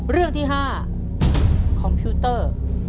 เรื่องที่๕คอมพิวเตอร์